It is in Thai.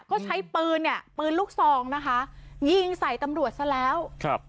ก็ใช้ปืนเนี่ยปืนลูกซองนะคะยิงใส่ตำรวจซะแล้วครับ